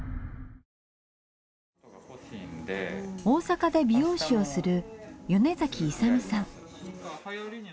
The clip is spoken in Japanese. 大阪で美容師をする米崎勇さん。